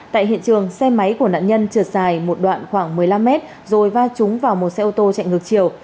tại hiện trường xe máy của nạn nhân trượt dài một đoạn khoảng một mươi năm mét rồi va trúng vào một xe ô tô chạy ngược chiều